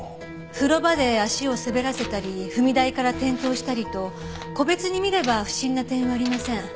風呂場で足を滑らせたり踏み台から転倒したりと個別に見れば不審な点はありません。